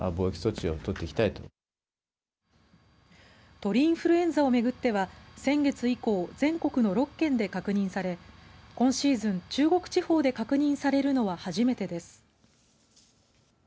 鳥インフルエンザをめぐっては先月以降、全国の６県で確認され今シーズン中国地方で確認されるのは初めてです。